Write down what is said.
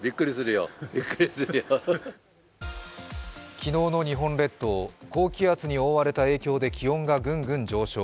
昨日の日本列島、高気圧に覆われた影響で気温がぐんぐん上昇。